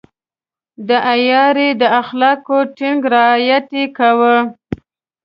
د عیارۍ د اخلاقو ټینګ رعایت يې کاوه.